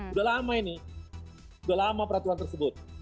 udah lama ini sudah lama peraturan tersebut